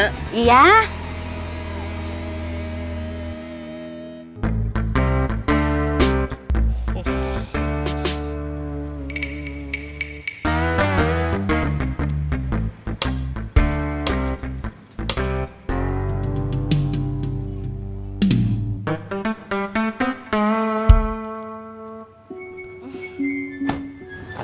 jalan ya dulu